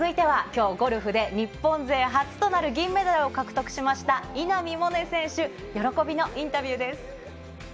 続いてはゴルフで日本勢初となる銀メダルを獲得しました、稲見萌寧選手、喜びのインタビューです。